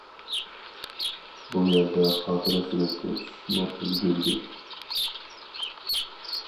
بۇ يەردە خاتىرە سۈرەتكە چۈشۈپمۇ ئۈلگۈردى.